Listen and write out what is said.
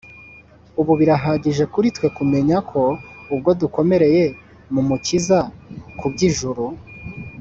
ubu, birahagije kuri twe kumenya ko ubwo dukomereye mu Mukiza ku by'ijuru,